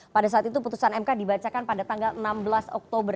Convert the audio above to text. pada saat itu putusan mk dibacakan pada tanggal enam belas oktober